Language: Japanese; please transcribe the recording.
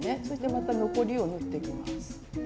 そしてまた残りを縫っていきます。